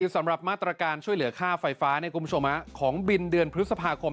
สำหรับมาตรการช่วยเหลือค่าไฟฟ้าคุณผู้ชมของบินเดือนพฤษภาคม